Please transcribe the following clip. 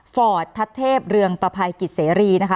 ฟอร์ตทัศเทพเรืองประภัยกิจเสรีนะคะ